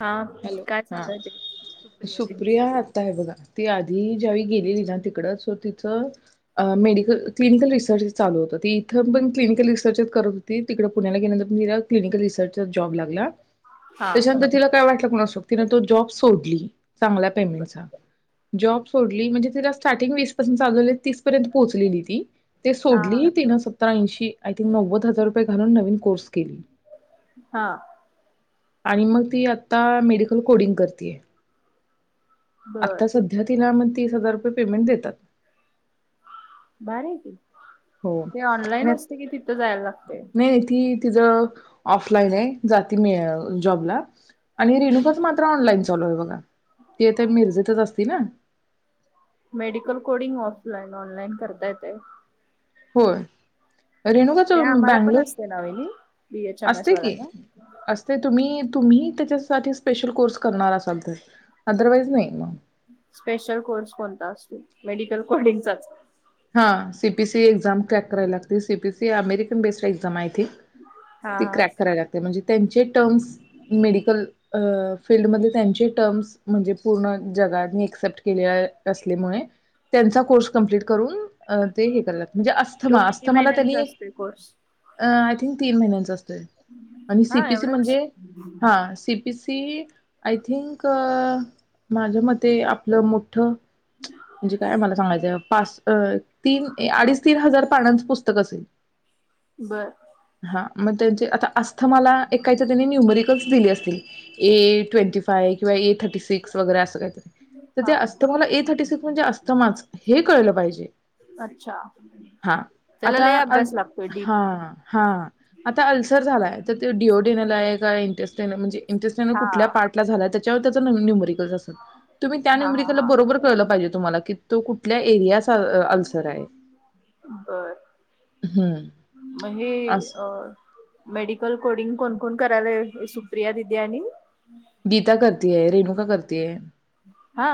हा हॅलो काय हा चालू आहे ते सुप्रिया आताय बघा ती आधी ज्यावेळी गेलेली ना त तीकड सो तीथ अ मेडिकल क्लनिकल रिसर्चल चालू होत इथ पण क्लनिकल रसर्च करत होती तीकड पुण्याला गेल्यानंतर पण क्लिनिकल रिसर्च जच जॉब लागला. हा त्याच्यानंतरि काय वाटलं. कुना शोक तीनं तो जॉब सोडली चांगल्या पेमेंटचा. जॉब सोडली म्हणजे तीला स्टारतींग वीस पासुन चालु तीस पर्यंत पोचलेली ती. ते हा हा सोडली. तिन सत्तरा ऐंशी आय थंक नव्वद हजा या रुपये घालून नवीन कोर्स केली हा आणि मग ती आता मेडिकल कोडिंग करतीय. बर आता सध्या तिलामध्ये तीस हजार रुपये पेमेंट देतात. बारी हाय की. हो ते आणि ऑनलाइन असते, कि तिथं जायला लागते. तिज ऑफलाईन आहे. जाती जॉबला आणि रेणुकाच मात्र ऑनलाईन चालू आहे बघा. ती मिर्जेतच असती ना. मेडिकल कोडिंग ऑफलाईन ऑनलाईन करता येतय होय. रेणुकाच आम्हाला पण बँंगलोर असते ना वहिनी बी एच एम एस असतय की वाल्यांना असतय तुम्ही तुम्ही त्याच्यासाठी स्पेशल कोर्स करणार असाल तर अदरवाईज नाही म स्पेशल कोर्स कोणता असतो, मेडिकल कोर्डिंगचाच. हा C P C exam crack करायला लागते. C P C American based exam आहे. हा ती हा क्रॅक करायला लागते. म्हणजे त्यांचे टर्म्स मेडिकल अ फिल्डमधले त्यांचे टर्म्स म्हणजे पूर्ण जगात नेक्स्ट तट केले असलेमुळे त्यांचा कोर्स कंप्लीट करून अ ते हे करायला लागत, म्हणजे तो अस्थमा किती अस्थमाला त्यांनी महिन्यांचा असतोय कोर्स अ तीन महिन्यांचा अस तोय. आणि सी हा पी सी एवढाच म्हणजे हा सी पी सी ती आय थिंक माझ्या मते आपलं मोठं म्हणजे काय मला सांगायचं पाच अ तीन अडीच तीन हजार पानांचं पुस्तक असेल. बर म त्याजे आता अस स्थमाला एक कायतरी त्यानी न्यमरीक कट्स दिले असतील. ए ट्वेंटी फाय किंवा ए थर्टी सीक्स वैगेरे असं काय तरी तर ते हा अस्थमाला ए थर्टी सीक्स म्हणजे अस्थमाच हे कळल पाहिजे, अच्छा हा त्याला आता लय अल अभ्यास लागतोय डीप हा हा आता अल्सर झालाय, तर तो डी, ओ डीनलं आहे काय इन्स्ट्रेटिन म्हणजे इन्स्ट्रेन हा कुठल्या पार्टला झालाय. त्याच्यावर त्यांचा नवीन न्यूमरीन असलं तुम्ही त्या हा हा न्युमिरीकला हा बरोबर कळलं पाहिजेत तुम्हाला की तो कुठल्या एरियास बर हम्म म हे अस अ मेडिकल कोडिंग कोण कोण करायलय सुप्रिया दिदी आणि करतीय हा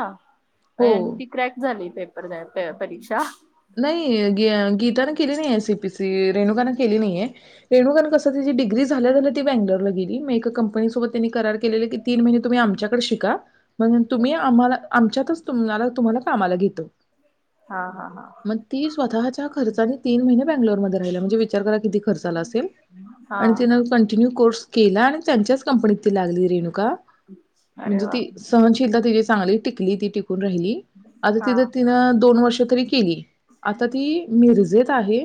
अय आणि ती क्रॅक झाली. पेपर द्या ते परीक्षा नाई गे गीत गीतानं केली नाय ये सी पी सी रेणुकान केली नाही ये रेणुकान कस डीग्री झाल्या झाल्या ती बंगलोरला गेली म एका कंपनी सोबत त्यांनी करार केलेला की तीन महिने तुम्ही आमच्याकड शिका मग तुम्ही आम्हला आमच्यातच तुम्हाला तुम्हाला कामाला घेतो. हा हा हा मग ती स्वतःच्या खर्चानी तीन महिने बंगलोरमध्ये राहिल्या. म्हणजे विचार करा किती खर्चा आला असेल हा आणि तिन कंटिन्यू कोर्स. केला आणि त्यांच्याच कंपनीत ती लागली. रेणुका अरे म्हणजे वा ती सहशीलता तीजी. चांगली टी टिकली ती टिकून राहिली, आता हा तिथं तीन दोन वर्षे तरी. केली. आ ती मिेरजेत आहे.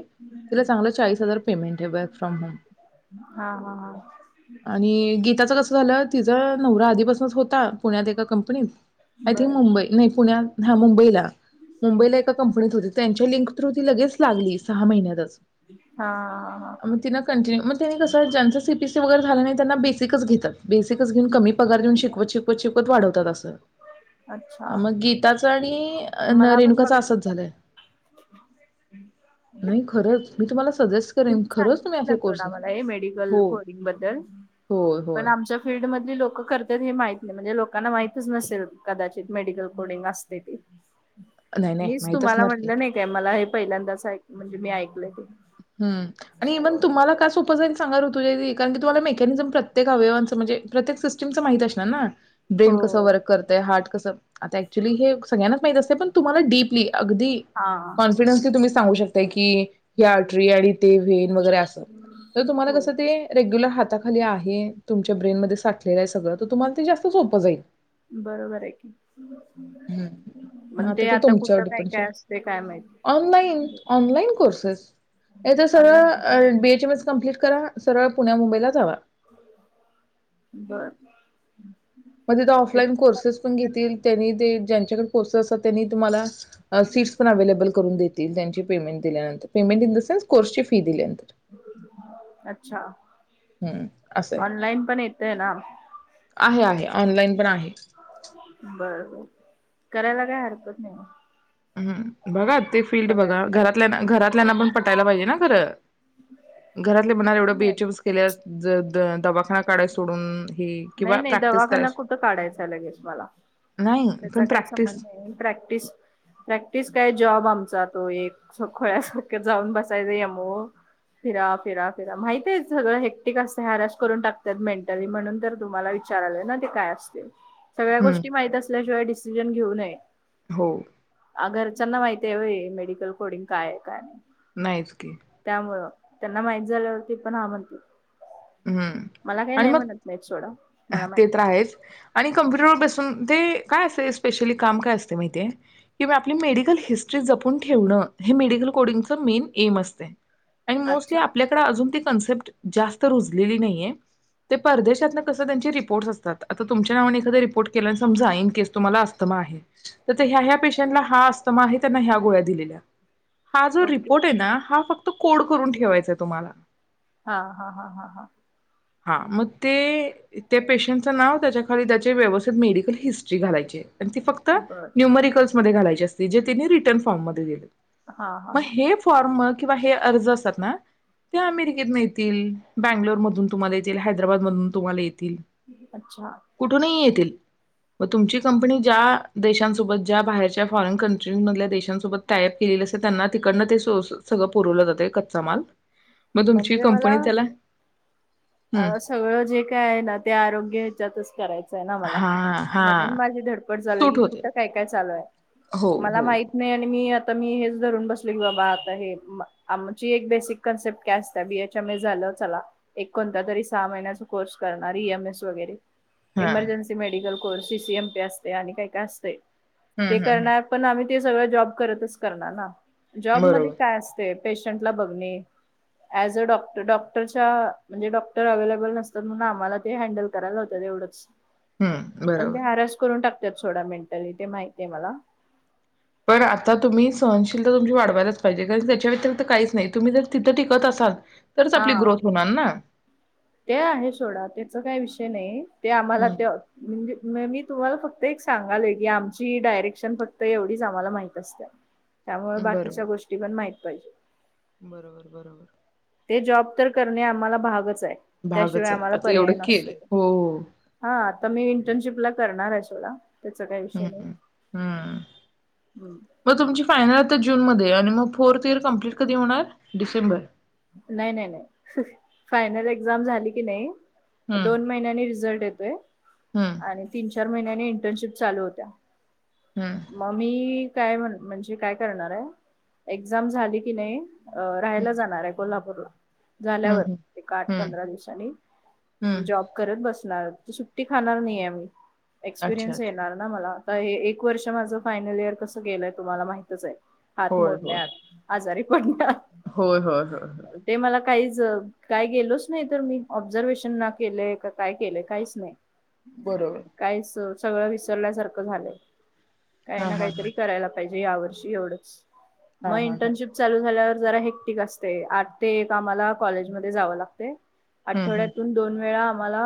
तिला चांगलं चाळीस हाजार पेमेंट आहे. वर्कफ्रॉम होम हा हा हा आणि गीताच कस. गीताचं कस झालं तिचा नवरा आधीपासूनच होता पुण्यात एका कंपनीत. आय थिंक बर मुंबई नाही पुण्यात हा मुंबईला मुंबईला. कंपनीत होते त्यांच्या ही. लिंक तृती लगेच लागली सहा महिन्यातच. हा हा हा मग तिला कंटिन्यू मग तीने कस ज्याचं सीपीसी. [inaudible] पगार घेऊन शिकवत, शिकवत. पद वाढवतात असं. अच्छा मग गीताच आणि मला पण रेणुकाचा बघा असंच नाही खरंच मी तुम्हाला सजेस्ट करेन तुम्हीं खरंच तुम्ही सांगिलेला असे सोडा कोर्सेस मला हे मेडिकल हो कोरिंग बद्दल होय पण होय आमच्या फीलल्ड मधली लोक करतात हे माहित. म्हणजे लोकांना माहितच नसेल कदाचित मेडिकल कोडिंग असतयं ते. नाही नाही मीच माहित तुम्हाला असणार की म्हणलं नाही काय मला हे. पहिल्यांदाच म्हणजे मी ऐकलंय ते हम्म आणि इवन तुम्हाला का सोपं जाईल सांगा रुतुज्या दीदी कारणं की तुम्हाला मेकॅनिजम प्रत्येक अवयवांचं म्हणेजे, प्रत्येक सिस्टम चं माहित असणार ना. ब्रेन कसं हो वर्क करतय हार्ट कसं आता ऍक्च्युली हे सगळ्यां ना माहिती असत्य पण तुम्हाला डीपली अगदी हा कॉन्फिडन्सली तुम्ही सांगू शकता की या त्रीयाळी ते वे वैगेरे असं जर तुम्हाला हो तसं ते रेग्युलर हाताखाली आहे. तुमच्या ब्रेनमध्ये ते साठ ते काय सगळं तर ते तुम्हाला ते जास्त सोपं जाईल, बरोबर आहे की हम्म मं पण आता ते तुमच्यावर कुठं काय डीपेंड काय असते काय माहित ऑनलाइन ऑनलाइन कोर्सेस. हे तर ऑनलाईन सगळं बी कम्प्लीट करा, सरळ पुण्या मुंबईला जावा. बर मग तिथे ऑफलाईन कोर्सेस पण घेतील. त्यांनी ते ज्यांच्याकडे पोच असतात त्यांनी तुम्हाला सीट्स पण अवे्लेबल करून देतील त्यांची पेमेंट दिल्यानंतर. पेमेंट इन द सेन्स कोर्सची फी दिल्यानंतर अच्छा ह् असय ऑनलाईन पण येतय ना आहे आहे ऑनलाइन पण आहे. बरबर करायला काय हरकत नाही. बघा ते फील्ड बघायला बघा पाहिजे घरातल्या घरातल्याना पण पटायला पाहिजे ना खरं घरातले म्हनार एवढं नाही बीएचम केल्यास ज दवा णा काडाय सोडून हे नाही किंवा नाही प्रॅक्टिस दवाखाना करायची कुठं काढायचा लगेच मला नाही त्याचा पण काही प्रॅक्टिस संबंध नाही प्रॅक्टिस प्रॅक्टिस काय जॉब आमचा तो एक खोळ्यासारख जाऊन बसायचं मवो फिरा फिरा फिरा माहतीय सगळं हेक्टिक असं हॅरस करून टाकत मेंटली म्हणून तर तुम्हाला विचाराले ना ते काय असते. सगळ्या हम्म गोष्टी माहीत असल्याशिवाय डीसी जन घेऊ नये. हो घरच्याना माहिती आहेवय मेडिकल कोडिंग काया आहे, काय नाही. नाहीच की. त्यामुळं त्यांना माहीत झाल्यावरती पण हा म्हणते. हम्म मला काही आणि नाही मग म्हणत नाहीत सोडा मला ते माहिती तर आहेच आणि कम्प्युटरवर बस हम्म तेऽऽ काय असतंय स्पेशिअली काम काय असतंय माहितीये, की बा आपली मेडिकल हिस्ट्री जपून ठेवणं हे मेडिकल कोडिंग च मेन एम असतंय. आणि मोस्टली अच्छा आपल्याकडे अजून ती कन्सेप्ट जास्त नाहीये, ते परदेशातलं कसं त्यांची रिपोर्ट्स असतात, आता तुमच्यांनी कधी रिपोर्ट केलं समजा, इन केस तुम्हाला अस्थमा आहे, तर ते ह्या ह्या पेशंटना हा अस्थमा आहे त्यांना ह्या गोळ्या दिलेत. हा जो ओके रिपोर्ट आहे ना, हा फक्त तर कोड करून ठेवायचंय तुम्हाला. हा हा हा हा हा हा मग तेऽऽ त्या पेशंटचं नाव त्याच्या खाली त्याची व्यवस्थित मेडिकल हिस्ट्री काढायची. अन् ती फक्त बर न्यूमरिकल्स मध्ये घालायचे असते जे तिथे रिटर्न फॉर्ममध्ये देतेत. हा हा मग हा हे फॉर्म मग किंवा हे अर्ज असतात ना, ते अमेरिकेतनं येतील. बँगलोर मधून तुम्हाला येतील, हैदराबादमधून तुम्हाला येत अच्छा कुठूनही येतील. मग तुमची कंपनी ज्या देशांसोबत ज्या बाहेरच्या फॉरेन कंट्रीमधल्या देश च्या सोबत टाय-अप केलेल्या असतात. त्यांना तिकडनं ते स-स-सगळं पुरवलं जातंय कच्चा माल. मग तुमची कंपनी त्याला हम्म आ सगळं जे काय आहे ना, ते आरोग्य ह्याच्यातच कराय कळंना मला, हा हा म्हणून माझी धडपड झालय सूट की होते कुठ काय काय चालूय, हो, मला हो. माहित नाही आणि मी मी हेच धरून बसले की बाबा आता हे अम्म आमची एक बेसिक कन्सेप्ट काय असत्या, बीएचएमएस झालं चला, एक कोणता तरी सहा महिन्याचा कोर्स करणार ई एम एस वगैरे. हां. इमर्जेन्सी मेडिकल सीसीएमपी असत्या आणि काय काय असतंय. हं, ते हं, करणार पण आम्ही ते सगळं जॉब करतच करणार ना. हं. जॉबमध्ये बरोबर. काय असते? पेशंटला बघणे ऍज अ डॉक्टर डॉक्टरच्या म्हणजे डॉक्टर अवैलेबल नसतात म्हणून आम्हाला ते हँडल कराय लावतात एवढंच. हं, पण ते बरोबर. हरॅस करून टाक त्यात सोडा मेंटली ते माहित आहे मला. पण आता तुम्ही सहनशीलता तुमची वाढवायलाच पाहिजे कारण त्याच्या व्यतिरिक्त काहीच नाही तुम्ही जर तिथं टिकत असाल तरच हा आपली ग्रोथ होणार ना. ते आहे सोडा त्याच काही विषय नाही ते आम्हाला हं. ते म्हणजे मी तुम्हाला फक्त एक सांगालय की आमची डायरेक्शन फक्त एवढीच आम्हाला माहित असते त्यामुळे बाकीच्या बरोबर, गोष्टी पण माहिित बाहिज बरोबर बरोबर. ते जॉब तर करणे आम्हाला भागच. भागच त्याशिवाय आहे. आम्हाला आता एवढं पर्याय नत केलंय. हो, हो. हा आ मी. नशिप ला करणार आहे ोडा. ् हम्म हम्म मग तुमची फायनल. जून मध्ये आणि मग फोर्थ इयर कम्प्लीट कधी होणार डिसेंबर. नाही नाही नाही फायनल एक्झाम झाली की नाही. हं, दोन महिन्यांनी रिझल्ट येत. ते. हं, आणि तीन चार महिन्या- इंटर्नशिप चालू होत्या- हं, म मी- काय म्हन, म्हणजे काय करणार आहे? एक्झाम झाली की नाही- अ राहायला हं, जाणार हाय- बला पुरला. हं, झाल्यावर हं. -एक आठ हं, पंधरा दिवसांनी हं. जॉब करत बस- [unintelligible] सुट्टी खाणार नाही आम्ही अच्छा, एक्सपिरियन्स अच्छा. येणार ना मला? आता हे एक वर्ष माझं फायनल इयर कसं गेलंय तुम्हाला माहितच ये हात होय, होय. मोडल्यात आजारी पडल्या- हा. काहीच काय गेलोच नाही तर मी ऑब्झर्वेशन ना गेलंय का काय केलंय काहीच नाही- बरोबर. काय स सगळं विसरल्यासारखं झालंय. हा काही ना हा हा काहीतरी करायला पाहिजे. म्हंजे यावर्षी एवढंच- हा मग हा हा इंटर्नशिप चालू झाल्यावर- जरा हेक्टिक असतं. ते आठ ते एक आम्हाला कॉलेजमध्ये जावं लागतय- हम्म हम्म आठवड्यातून दोन वेळा- मला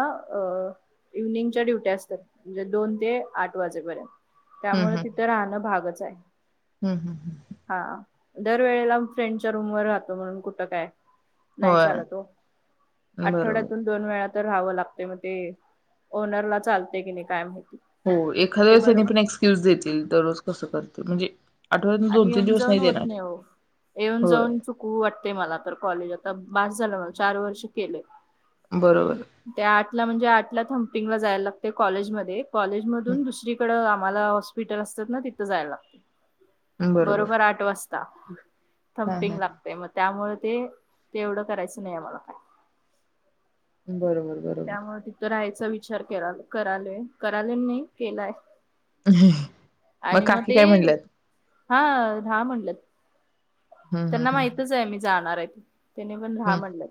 इव्हनिंगच्या ड्युट्या असतात म्हणजे दोन ते आठ वाजेपर्यंत. हम्म हम्म त्यामुळे हम्म तिथं राहणं भागच. काय - हम्म हम्म हम्. दरवेेळेला फ्रेंडच्या रूम वर राहतो. म्हणून कुठं काय? नाही होय चालत हो बरोबर आठवड्यातून दोन वेळा- तर राहावं लागतय मग ते ओनरला चालतय की नाही काय माहि- हो एखाद्या वेळेस ह्यानी पण एक्सक्युज देतील पण दररोज कसं तर म्हणजे- आठवड्यातून आणि दोन तीन येऊन दिवस जाऊन होत देणार नाही हो येऊन होय जाऊन चुकऊ वाटतय मला तर कॉलेज आता बाास झालं मा चार वर्ष केलय. बरोबर त्या आठ ला म्हणजे आठ- थम्पिंगला जाय लागतय कॉलेजमध्ये- - कॉलेज मधून हम्म दुसरीकडं आ मला हॉस्पिटल असतात ना तिथं जाय लागतयं. बरोबर आठ वाज - - ता. हा हा थम्पिंग लागतयं. मग त्यामुळं ते ते एवढं करायचं नाही आम्हाला काय बरोबर बरोबर. त्या विचार करा करालय करालोय नाही केलाय. मग आणि काकी ते काय म्हणल्यात? हा हा म्हणल्यात. हम्म त्यांना हम्म हम्म माहितच आहे मी जाणार हाय. [inaudible] त्यानी पण राहा हम्म म्हणलंय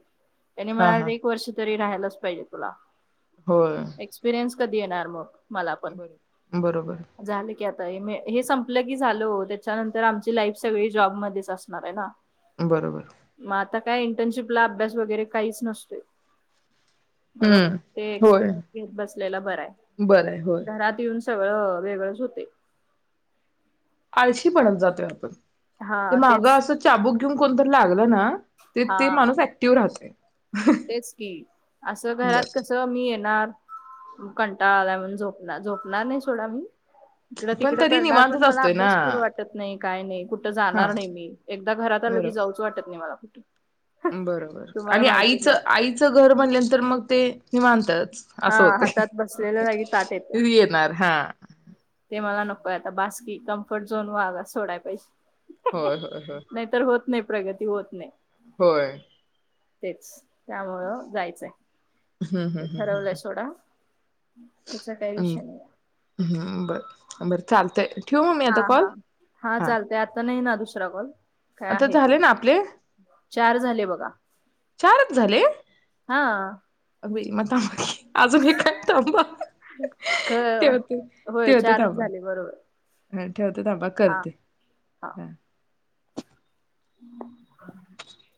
त्यानी हा हा म्हणाला एक वर्ष तरी राहा यलाचं पाहिजे तुला. होय. एक्सपिरियन्स कधी येणार मग? मला पण बरो बरोबर. झालं की आता हे संपलं की झाल त्याच्यानंतर आमची लाईफ सगळी जॉबमध्येच अस - - आहे ना. बरोबर. ह्या इंटर्नशिपला अभ्यास वैगरे काहीच नसतोय. मं.. ग हम्म ते होय एकपिरियन्स घेत बसलेला बरा हाय. बरं आहे होय घरात येऊन सगळं... वेगळंलंच होतय. कशी.. पळुन जातोय आपण? ते हा माग तेच असं चाबूक घेऊन कोनतरी लागलं ना, ते - ते माणूस ऍक्टिव्ह राहतंय. तेचकी, असं घरात बर कस मी येनार - - कंटाळा आला म्हणून झोपणार, झोपणार नाही सोडा मी. इकडं - पण तिकडं तरी करणार, पन निवांतच मला असतोय ना अभ्यास करू वाटत नाही. काय नही कु कुठं हा जाणार नाही मी, एकदा घरात आलं कीं बरोबर जाऊच वाटत नाय कुठं. बरोबर, तुम्हाला आणि आई माहितच इच आहे. आईच घर म्हणल्यानंतर मग ते निवांतच. हा असं होतय हातात बसलेल्या हः जागी ताट येते. हः व्ही येनार हा. व्हय आता बास कीं, कंफर्ट झोन वागा सोडाय पाहिजे. होय होय होय नही तर होत नाही. प्रगती होत नाय. होय तेच. त्यामुळं जायचं हाय. हः हः हः हः हः हः हं. त्याचा काही अम, विषय नाही. हा बरं, बर चालतंय. ठेवू मग मी हा.. आता हा.. कॉल हा चालतंय आता नाही ना दूस ट्रबळ. काय आता आहे? झाले ना आपले चार झाले बगा. चारच झाले? हा..,.. [unintelligible] अजून हे काय? थांबा. ख.. ठेवते होय चारच झाले, बरोबर. हं ठेवते थांबा. हा करते, हा हं [unintelligible]